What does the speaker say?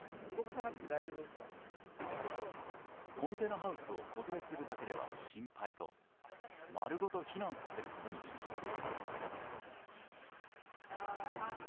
コンテナハウスを固定するだけでは心配と丸ごと避難させることにしました。